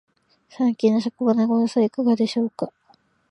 最近の職場のご様子はいかがでしょうか。お聞かせいただけますと嬉しいです。